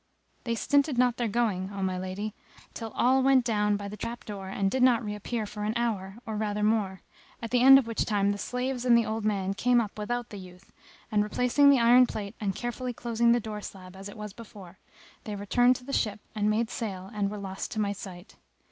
They stinted not their going, O my lady, till all went down by the trap door and did not reappear for an hour, or rather more; at the end of which time the slaves and the old man came up without the youth and, replacing the iron plate and carefully closing the door slab as it was before, they returned to the ship and made sail and were lost to my sight.